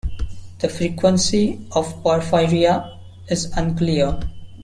The frequency of porphyria is unclear.